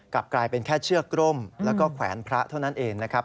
กลับกลายเป็นแค่เชือกร่มแล้วก็แขวนพระเท่านั้นเองนะครับ